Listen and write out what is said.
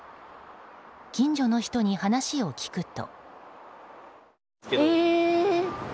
近所の人に話を聞くと。